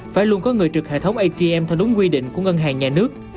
phải luôn có người trực hệ thống atm theo đúng quy định của ngân hàng nhà nước